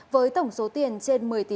với tổng số tiền trên địa bàn huyện hương khê